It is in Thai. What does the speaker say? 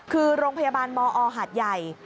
คือโรงพยาบาลมอหาดใหญ่